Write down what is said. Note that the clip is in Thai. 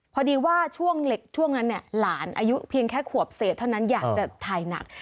พอดีว่าช่วงนั้นเนี่ยหลานอายุเพียงแค่ขวบเศษเท่านั้นอยากจะถ่ายหนัก